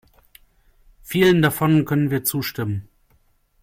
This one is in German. Vielen davon können wir zustimmen.